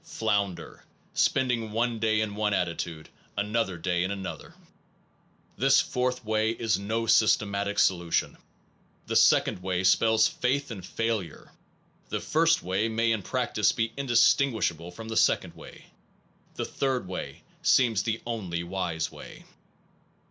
Flounder, spending one day in one attitude, another day in another. This 4th way is no systematic solution. The 2d way spells faith in failure. The 1st way may in practice be indistinguishable from the 2d way. The 3d way seems the only wise way.